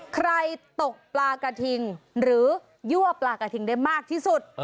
ตกปลากระทิงหรือยั่วปลากระทิงได้มากที่สุด